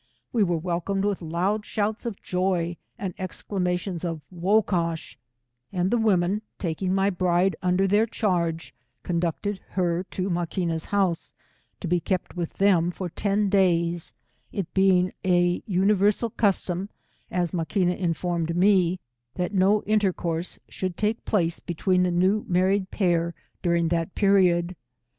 We were welcomed with loud shouts of joy, and excla maliofli of Wocash, and the women taking my 159 bride under their charge, conducted her to Maquina's house, to be kept with them for ten days; it being " an universal custom, as Maquina informed me, that no intercourse should take place between the new married pair during that period.